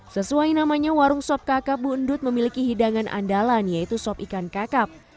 sesuai namanya warung sob kakak bu undut memiliki hidangan andalan yaitu sob ikan kakak